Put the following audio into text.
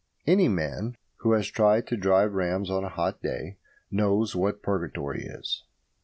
Any man who has tried to drive rams on a hot day knows what purgatory is.